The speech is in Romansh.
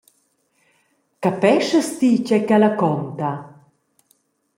Capeschas ti tgei ch’ella conta?